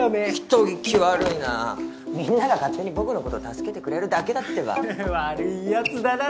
人聞き悪いなみんなが勝手に僕のこと助けてくれるだけだってば悪いやつだな